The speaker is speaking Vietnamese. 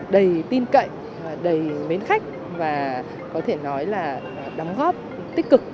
đầy tin cậy và đầy mến khách và có thể nói là đóng góp tích cực